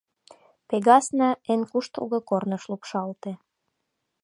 Пегасна эн куштылго корныш лупшалте.